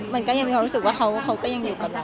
มันก็ยังมีความรู้สึกว่าเขาก็ยังอยู่กับเรา